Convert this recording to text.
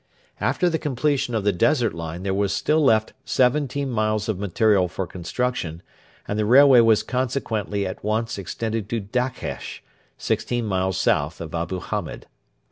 After the completion of the desert line there was still left seventeen miles of material for construction, and the railway was consequently at once extended to Dakhesh, sixteen miles south of Abu Hamed.